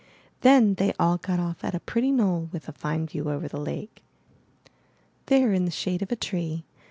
Then they all got off at a pretty knoll with a fine view over the lake. There in the shade of a tree.